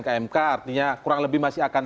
ke mk artinya kurang lebih masih akan